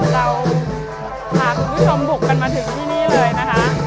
เราพาคุณผู้ชมบุกกันมาถึงที่นี่เลยนะคะ